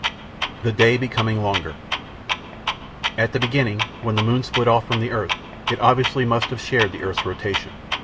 The Day Becoming Longer At the beginning, when the moon split off from the earth, it obviously must have shared the earth's rotation.